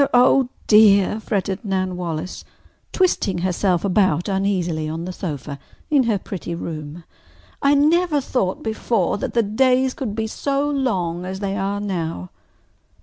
oh, dear!" fretted Nan Wallace, twisting herself about uneasily on the sofa in her pretty room. "I never thought before that the days could be so long as they are now."